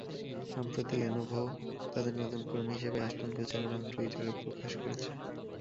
সম্প্রতি লেনোভো তাঁদের নতুন কর্মী হিসেবে অ্যাশটন কুচারের নাম টুইটারে প্রকাশ করেছে।